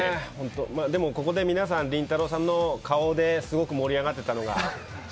でもここで皆さん、りんたろーさんの顔で盛り上がってたのが。